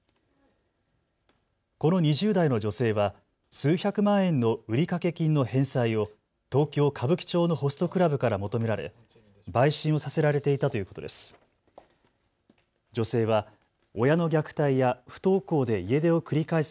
この２０代の女性は数百万円の売掛金の返済を東京歌舞伎町のホストクラブから求められ売春をさせられていたということです。